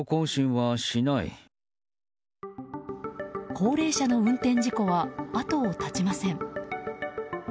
高齢者の運転事故は後を絶ちません。